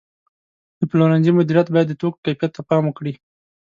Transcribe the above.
د پلورنځي مدیریت باید د توکو کیفیت ته پام وکړي.